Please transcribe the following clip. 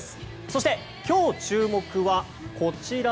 そして、今日注目はこちら。